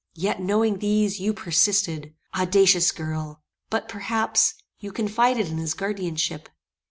Yet, knowing these, you persisted. Audacious girl! but, perhaps, you confided in his guardianship.